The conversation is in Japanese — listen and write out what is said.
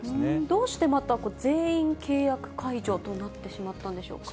どうしてまた全員契約解除となってしまったんでしょうか。